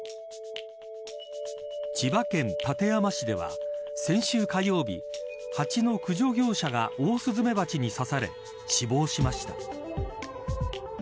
千葉県館山市では先週火曜日ハチの駆除業者がオオスズメバチに刺され死亡しました。